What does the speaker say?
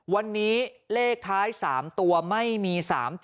วันนี้เลขท้าย๓ตัวไม่มี๓๗